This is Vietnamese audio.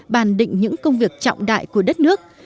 bàn định những công việc trọng đại của đất nước